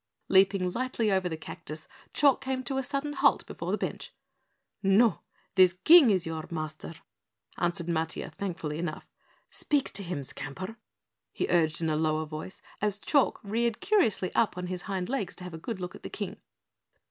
Leaping lightly over the cactus, Chalk came to a sudden halt before the bench. "No, this King is your master," answered Matiah thankfully enough. "Speak to him, Skamper," he urged in a lower voice as Chalk reared curiously up on his hind legs to have a good look at the King.